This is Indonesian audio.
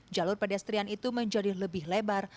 jalur pedestrian itu menjadi lebih lebar